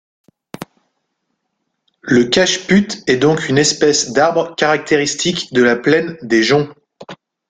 Le cajeput est donc une espèce d’arbre caractéristique de la Plaine des Joncs.